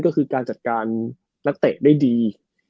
ก็คือการจัดการนักเตะได้ดี